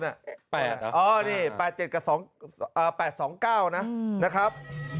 ๘นะอ๋อนี่๘๗กับ๘๒๙นะครับ